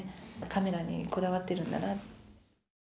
カメラにこだわっているんだな。